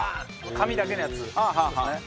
紙だけのやつですね。